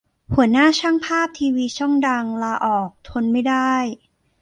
หัวหน้าช่างภาพทีวีช่องดัง ลาออก ทนไม่ได้